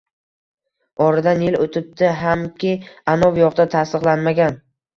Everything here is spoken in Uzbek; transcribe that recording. oradan bir yil o‘tibdi hamki, anov yoqda tasdiqlanmagan.